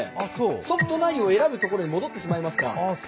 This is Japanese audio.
ソフト内容を選ぶところに戻ってしまいました。